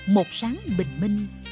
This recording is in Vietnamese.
một sáng bình minh